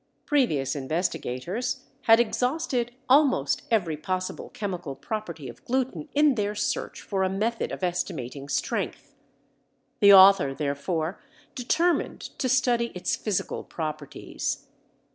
Previous investigators had exhausted almost every possible chemical property of gluten in their search for a method of estimating strength. The author therefore determined to study its physical properties.